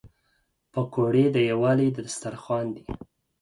پکورې د یووالي دسترخوان دي